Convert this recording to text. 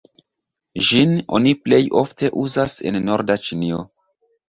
Ĝin oni plej ofte uzas en norda Ĉinio.